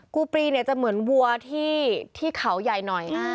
ปูปรีเนี่ยจะเหมือนวัวที่เขาใหญ่หน่อย